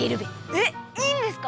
えっいいんですか？